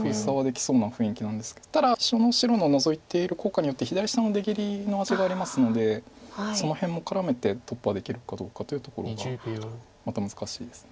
ただその白のノゾいている効果によって左下の出切りの味がありますのでその辺も絡めて突破できるかどうかというところがまた難しいです。